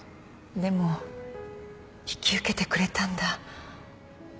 でも引き受けてくれたんだ。